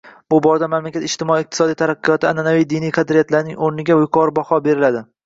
Bu borada mamlakat ijtimoiy–madaniy taraqqiyotida anʼanaviy diniy qadriyatlarning oʻrniga yuqori baho berildi.